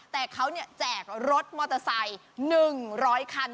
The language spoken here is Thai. แต่เขาแจกรถมอเตอร์ไซค์๑๐๐คัน